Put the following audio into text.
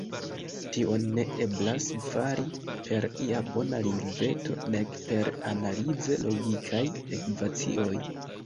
Tion ne eblas fari per ia bona lingveto nek per analize logikaj ekvacioj.